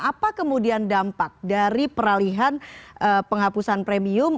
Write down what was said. apa kemudian dampak dari peralihan penghapusan premium